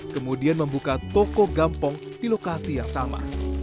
kemudian membuka toko gampong di lokasi yang sama